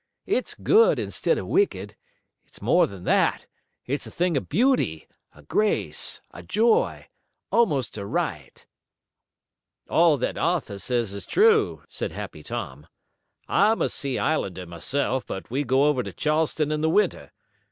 It's good instead of wicked. It's more than that. It's a thing of beauty, a grace, a joy, almost a rite." "All that Arthur says is true," said Happy Tom. "I'm a Sea Islander myself, but we go over to Charleston in the winter.